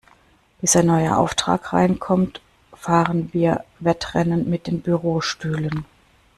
Bis ein neuer Auftrag reinkommt, fahren wir Wettrennen mit den Bürostühlen.